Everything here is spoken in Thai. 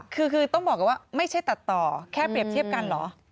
คือต้องบอกก่อนว่าไม่ใช่ตัดต่อแค่เปรียบเทียบกันเหรอ